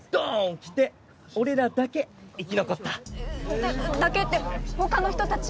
きて俺らだけ生き残っただけって他の人達は？